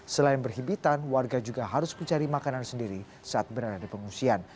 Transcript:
selain berhibitan warga juga harus mencari makanan sendiri saat berada di pengungsian